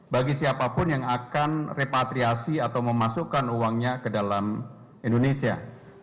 bagi siapapun yang akan repatriasi atau memasukkan uangnya ke dalam indonesia